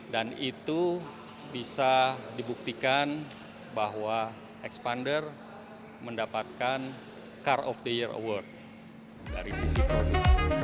dan itu bisa dibuktikan bahwa expander mendapatkan car of the year award dari sisi produk